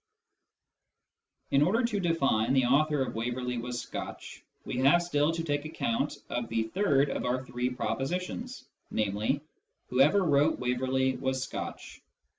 " In order to define " the author of Waverley was Scotch," we have still to take account of the third of our three proposi tions, namely, " Whoever wrote Waverley was Scotch."